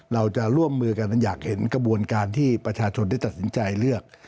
เราจะร่วมมือกันอยากเห็นกระบวนการที่ประชาชนได้ตัดสินใจเลือก